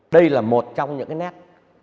đây là một trong những cái nét